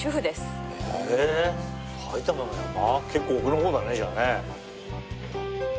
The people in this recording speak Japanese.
結構奥の方だねじゃあね。